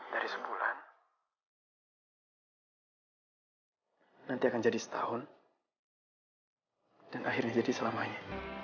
dari sebulan nanti akan jadi setahun dan akhirnya jadi selamanya